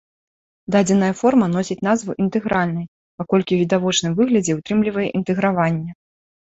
Дадзеная форма носіць назву інтэгральнай, паколькі ў відавочным выглядзе ўтрымлівае інтэграванне.